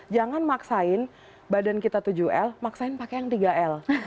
jangan maksain badan kita tujuh l maksain pakai yang tiga l